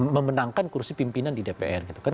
memenangkan kursi pimpinan di dpr gitu kan